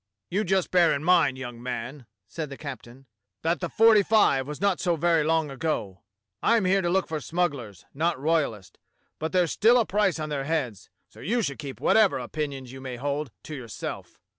" You just bear in mind, young man," said the captain, "that the '45 was not so very long ago. I am here to look for smugglers, not royalists, but there's still a price on their heads, so you should keep whatever opinions you may hold to yourself."